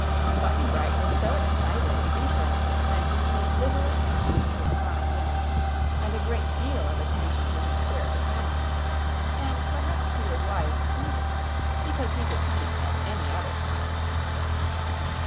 Button Bright was so excited and interested that he paid little attention to his fine dinner and a great deal of attention to his queer companions; and perhaps he was wise to do this, because he could eat at any other time.